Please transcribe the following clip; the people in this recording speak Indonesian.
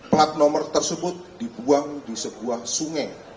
plat nomor tersebut dibuang di sebuah sungai